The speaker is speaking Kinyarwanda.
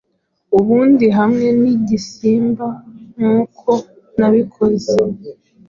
Ubundi hamwe nigisimbankuko nabikoze